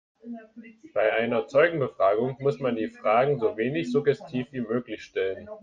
Bei einer Zeugenbefragung muss man die Fragen so wenig suggestiv wie möglich stellen.